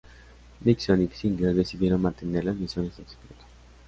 Nixon y Kissinger decidieron mantener las misiones en secreto.